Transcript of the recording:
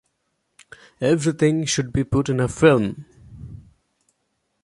Everything should be put in a film.